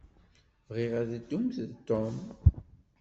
Bɣiɣ ad ddumt d Tom.